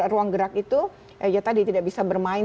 ruang gerak itu ya tadi tidak bisa bermain